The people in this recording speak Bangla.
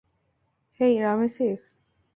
হেই, রামেসিস।